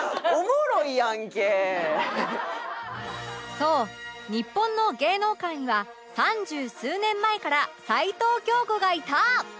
そう日本の芸能界には三十数年前から齊藤京子がいた！